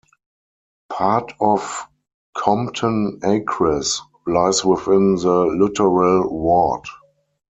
Part of Compton Acres lies within the Lutterell Ward.